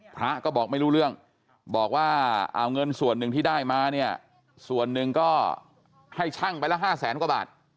พระก็บอกไม่รู้เรื่องบอกว่าเอาเงินส่วนหนึ่งที่ได้มาเนี่ยส่วนหนึ่งก็ให้ช่างไปละ๕แสนกว่าบาท